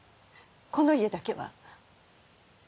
この家だけは。